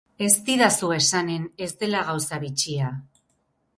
Ez didazu esanen ez dela gauza bitxia?